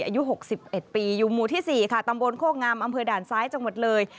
อายุ๖๑ปีอยู่หมู่ที่๔ค่ะตำบลโคกงามอำเภอด่านซ้ายจังหวัดเลย